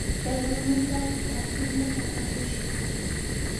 Chay rumitraw trakinta takakushqa.